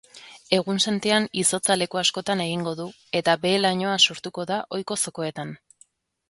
Egunsentian izotza leku askotan egingo du eta behe-lainoa sortuko da ohiko zokoetan.